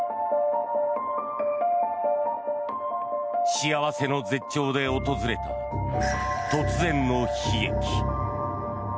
幸せの絶頂で訪れた突然の悲劇。